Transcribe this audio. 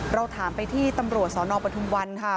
เราถามไปที่ตำรวจสนปทุมวันค่ะ